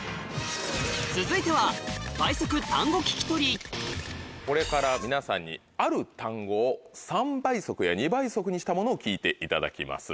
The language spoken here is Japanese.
続いてはこれから皆さんにある単語を３倍速や２倍速にしたものを聞いていただきます。